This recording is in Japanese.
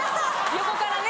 横からね